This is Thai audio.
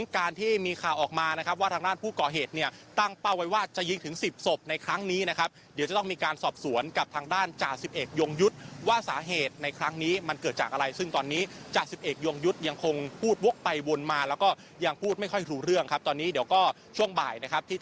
การที่มีข่าวออกมานะครับว่าทางด้านผู้ก่อเหตุเนี่ยตั้งเป้าไว้ว่าจะยิงถึงสิบศพในครั้งนี้นะครับเดี๋ยวจะต้องมีการสอบสวนกับทางด้านจ่าสิบเอกยงยุทธ์ว่าสาเหตุในครั้งนี้มันเกิดจากอะไรซึ่งตอนนี้จ่าสิบเอกยงยุทธ์ยังคงพูดวกไปวนมาแล้วก็ยังพูดไม่ค่อยรู้เรื่องครับตอนนี้เดี๋ยวก็ช่วงบ่ายนะครับที่